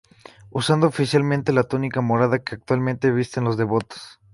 Usando oficialmente la túnica Morada, que actualmente visten los devotos.